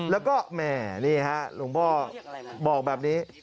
แล้วก็แหม่นี่ฮะหลวงพ่อบอกแบบนี้